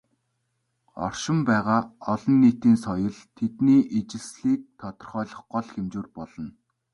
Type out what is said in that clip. Оршин байгаа "олон нийтийн соёл" тэдний ижилслийг тодорхойлох гол хэмжүүр болно.